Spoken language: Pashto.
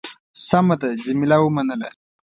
سمه ده. جميله ومنله.